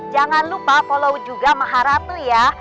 jangan lupa follow juga maharapli ya